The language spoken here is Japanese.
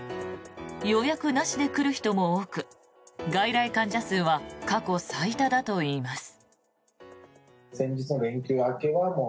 予約なしで来る人も多く外来患者数は過去最多だといいます。